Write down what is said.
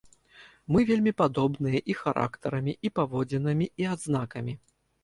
Мы вельмі падобныя і характарамі, і паводзінамі, і адзнакамі.